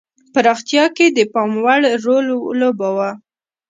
پراختیا کې د پاموړ رول لوباوه.